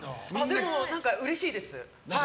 でもうれしいです。